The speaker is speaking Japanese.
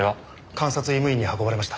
監察医務院に運ばれました。